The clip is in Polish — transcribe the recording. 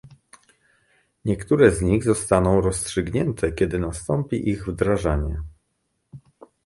Niektóre z nich zostaną rozstrzygnięte, kiedy nastąpi ich wdrażanie